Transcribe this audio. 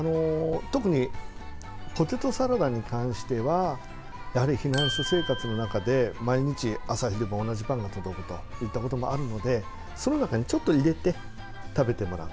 特にポテトサラダに関してはやはり避難所生活の中で毎日朝昼晩同じパンが届くといったこともあるのでその中にちょっと入れて食べてもらう。